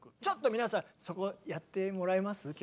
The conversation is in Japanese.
ちょっと皆さんそこやってもらえます？